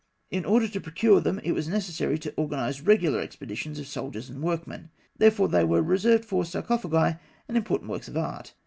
In order to procure them, it was necessary to organise regular expeditions of soldiers and workmen; therefore they were reserved for sarcophagi and important works of art.